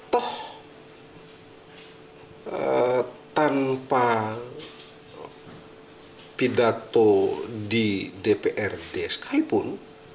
toh tanpa pidato di dprd ski pun